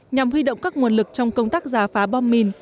nhằm huy động các nguồn lực trong công tác giả phá bom mìn